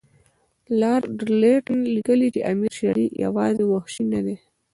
لارډ لیټن لیکي چې امیر شېر علي یوازې وحشي نه دی.